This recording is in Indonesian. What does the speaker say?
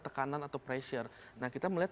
tekanan atau pressure nah kita melihat